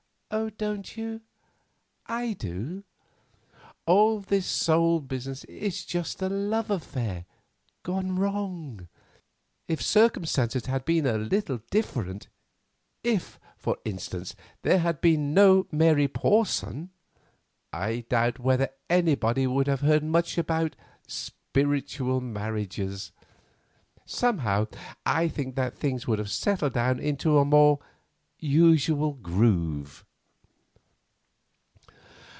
"Don't you? I do. All this soul business is just a love affair gone wrong. If circumstances had been a little different—if, for instance, there had been no Mary Porson—I doubt whether anybody would have heard much about spiritual marriages. Somehow I think that things would have settled down into a more usual groove."